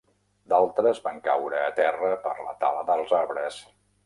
D'altres van caure a terra per la tala dels arbres.